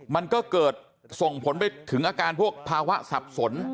มันก็เกิดส่งผลไปถึงอาการพวกภาวะสับสน